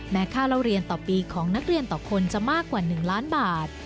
ค่าเล่าเรียนต่อปีของนักเรียนต่อคนจะมากกว่า๑ล้านบาท